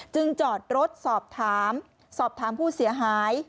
จอดรถสอบถามสอบถามผู้เสียหาย